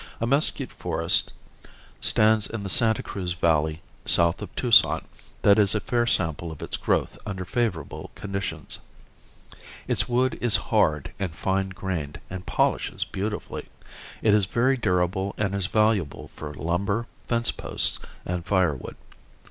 A mesquite forest stands in the Santa Cruz valley south of Tucson that is a fair sample of its growth under favorable conditions. Its wood is hard and fine grained and polishes beautifully. It is very durable and is valuable for lumber, fence posts and firewood.